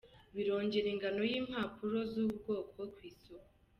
Birongera ingano y’impapuro z’ubu bwoko ku isoko.